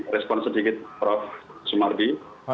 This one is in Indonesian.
respon sedikit prof sumardi